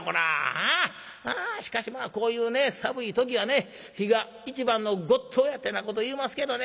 ああしかしまあこういうね寒い時はね火が一番のごっつおやってなこと言いますけどね。